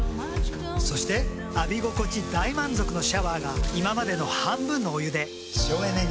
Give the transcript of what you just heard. そして浴び心地大満足のシャワーが今までの半分のお湯で省エネに。